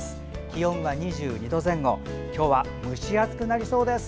気温は２２度前後今日は蒸し暑くなりそうです。